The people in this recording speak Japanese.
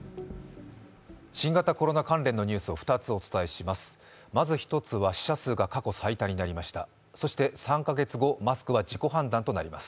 新型コロナ関連のニュースを２つお伝えします。